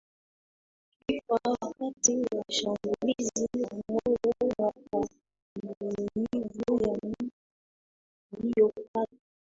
kifua wakati wa shambulizi la moyo na kwa maumivu ya mtu aliyepata